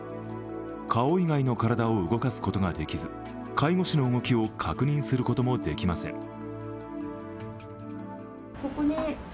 顔以外の体を動かすことができず介護士の動きを確認することもできません。